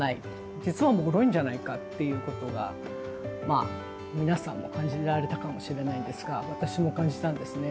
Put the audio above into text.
実は、もろいんじゃないかということが皆さんもお感じになられたかもしれないんですが私も感じたんですね。